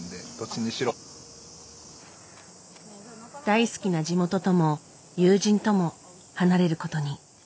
大好きな地元とも友人とも離れることに。